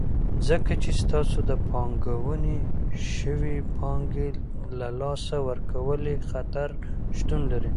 ځکه چې ستاسو د پانګونې شوي پانګې له لاسه ورکولو خطر شتون لري.